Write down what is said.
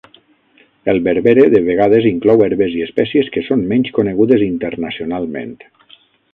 El "berbere" de vegades inclou herbes i espècies que són menys conegudes internacionalment.